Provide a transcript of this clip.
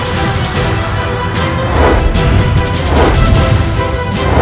kau akan menang